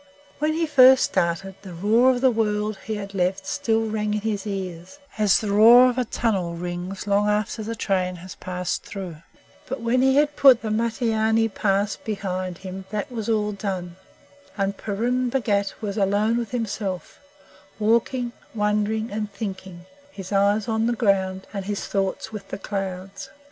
When he first started, the roar of the world he had left still rang in his ears, as the roar of a tunnel rings long after the train has passed through; but when he had put the Mutteeanee Pass behind him that was all done, and Purun Bhagat was alone with himself, walking, wondering, and thinking, his eyes on the ground, and his thoughts with the clouds.